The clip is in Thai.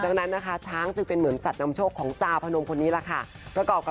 ดังนั้นนะคะช้างจึงเป็นเหมือนสัตว์นำโชคของเจ้าพนมคนนี้แหละค่ะ